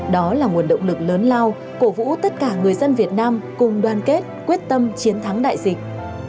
đó là nguồn động lực lớn lao cổ vũ tất cả người dân việt nam cùng đoàn kết quyết tâm chiến thắng đại dịch